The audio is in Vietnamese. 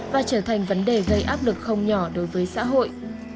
và trở thành vấn đề gây áp lực không nhỏ đối với xã hội